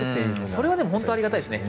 それはありがたいですね。